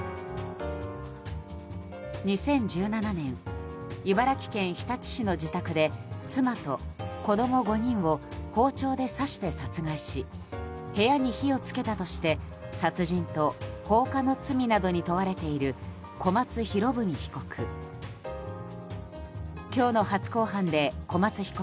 ２０１７年茨城県日立市の自宅で妻と子供５人を包丁で刺して殺害し部屋に火をつけたとして殺人と放火の罪などに問われている小松博文被告。